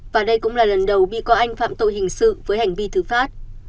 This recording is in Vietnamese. và đây cũng là lần đầu bị cáo anh phạm tội hình sự với hành vi thử phát